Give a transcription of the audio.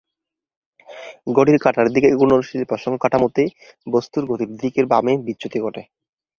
ঘড়ির কাটার দিকে ঘূর্ণনশীল প্রসঙ্গ কাঠামোতে, বস্তুর গতির দিকের বামে বিচ্যুতি ঘটে।